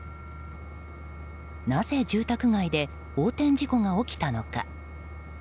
なぜ住宅街で横転事故が起きたのか。